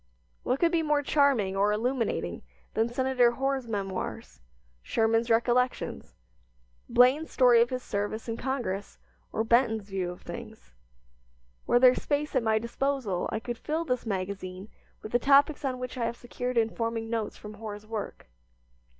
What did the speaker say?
What could be more charming or illuminating than Senator Hoar's memoirs, Sherman's recollections, Blaine's story of his service in Congress, or Benton's view of things? Were there space at my disposal I could fill this magazine with the topics on which I have secured informing notes from Hoar's work.